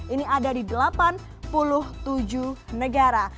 ini ada di delapan puluh tujuh negara